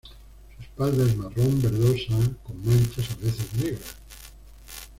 Su espalda es marrón verdosa con manchas a veces negras.